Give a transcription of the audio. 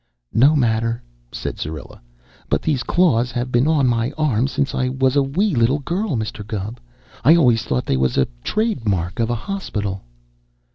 "No matter," said Syrilla. "But these claws have been on my arm since I was a wee little girl, Mr. Gubb. I always thought they was a trademark of a hospital."